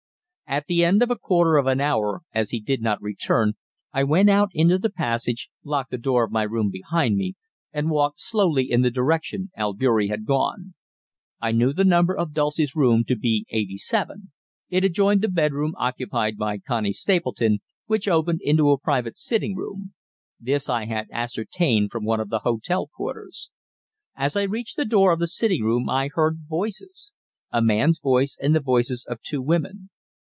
At the end of a quarter of an hour, as he did not return, I went out into the passage, locked the door of my room behind me, and walked slowly in the direction Albeury had gone. I knew the number of Dulcie's room to be eighty seven it adjoined the bedroom occupied by Connie Stapleton, which opened into a private sitting room; this I had ascertained from one of the hotel porters. As I reached the door of the sitting room I heard voices a man's voice, and the voices of two women.